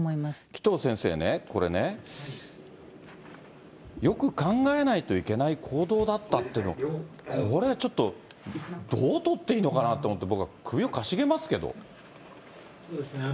紀藤先生ね、これね、よく考えないといけない行動だったっていうの、これちょっと、どう取っていいのかなと思って、そうですね。